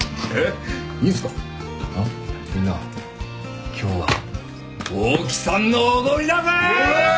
みんな今日は大木さんのおごりだぜー！